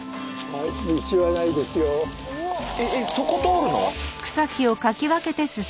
えそこ通るの？